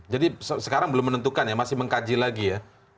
jadi sekarang belum menentukan ya masih mengkaji lagi ya